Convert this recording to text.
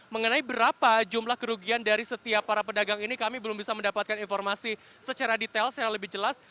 mengenai berapa jumlah kerugian dari setiap para pedagang ini kami belum bisa mendapatkan informasi secara detail secara lebih jelas